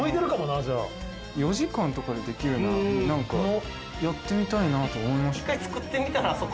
４時間とかでできるなら、やってみたいなと思いました。